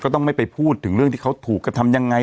ต้องไม่ไปพูดถึงเรื่องที่เขาถูกกระทำยังไง